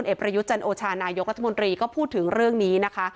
ประยุทธ์จันโอชานายกรัฐมนตรีก็พูดถึงเรื่องนี้นะคะ